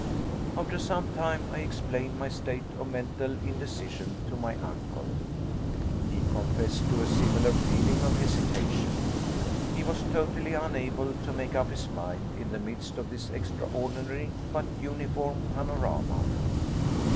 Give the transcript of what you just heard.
After some time, I explained my state of mental indecision to my uncle. He confessed to a similar feeling of hesitation. He was totally unable to make up his mind in the midst of this extraordinary but uniform panorama.